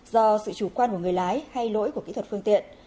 do sự chủ quan của người lái hay lỗi của kỹ thuật phương tiện